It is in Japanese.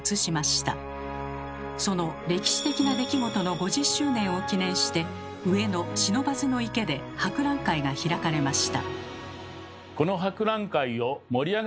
その歴史的な出来事の５０周年を記念して上野不忍池で博覧会が開かれました。